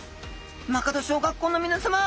間門小学校のみなさま